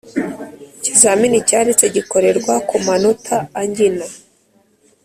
ikizamini cyanditse gikorerwa ku manota angina